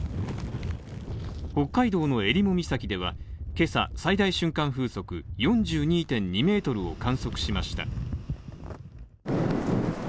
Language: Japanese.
北海道の襟裳岬では今朝、最大瞬間風速４２．２メートルを観測しました。